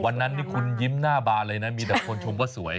วันนั้นนี่คุณยิ้มหน้าบานเลยนะมีแต่คนชมก็สวย